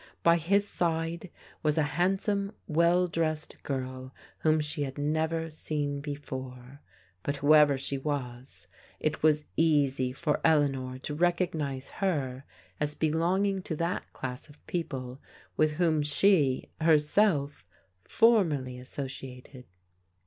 By his side was a handsome, well dressed girl whom she had never seen before, but whoever she was, it was easy for Eleanor to recognize her as belonging to that class of people with whom she, herself, formerly associated.